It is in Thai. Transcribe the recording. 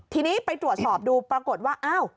ทีนี้ไปตรวจสอบดูปรากฏว่าอ้าว